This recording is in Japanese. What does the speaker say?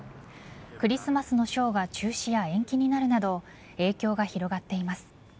クリスマスのショーが中止や延期になるなど影響が広がっています。